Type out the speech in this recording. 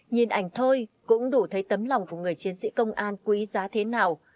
nhìn ảnh thôi cũng đủ thấy tấm lòng của người chiến sĩ công an quý giá thế nào